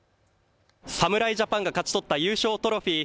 侍ジャパンが勝ち取った優勝トロフィー。